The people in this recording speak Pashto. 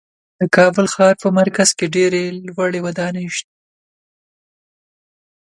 د کابل ښار په مرکز کې ډېرې لوړې ودانۍ شته.